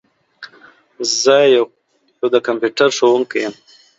زه یو د کمپیوټر ښوونکي یم.